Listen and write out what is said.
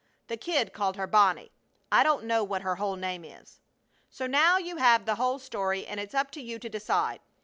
The kid called her "Bonnie." I don't know what her whole name is. So now you have the whole story, and it's up to you to decide.